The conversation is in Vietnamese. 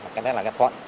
cái đấy là gấp khoận